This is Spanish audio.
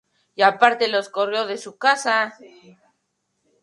Es irremediablemente incompetente".